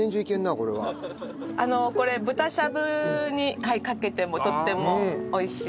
これ豚しゃぶにかけてもとっても美味しい。